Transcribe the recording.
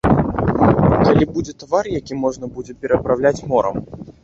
Калі будзе тавар, які можна будзе перапраўляць морам.